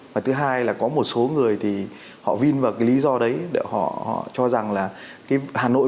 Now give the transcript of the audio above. và thứ hai là có một số người thì họ vin vào cái lý do đấy để họ cho rằng là cái hà nội